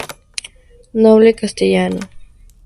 Noble castellano.